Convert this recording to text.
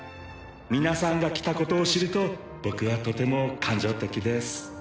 皆さんが来たことを知ると僕はとても感情的です。